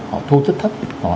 họ thu rất thấp